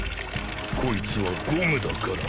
こいつはゴムだから。